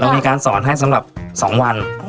มีการสอนให้สำหรับ๒วัน